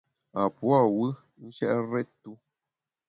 A pua’ wù nshèt rèt-tu.